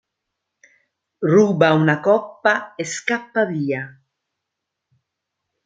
Ruba una coppa e scappa via.